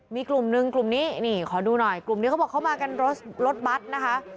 มีกลุ่มนึงกลุ่มนี้นี่ขอดูหน่อยกลุ่มนี้เขาบอกเขามากันรถรถบัตรนะคะ